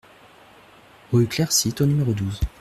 Rue Clair Site au numéro douze